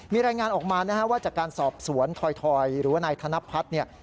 มีรายงานออกมานะฮะว่าจากการสอบสวนถอยหรือว่านายธนพัฒน์เนี่ย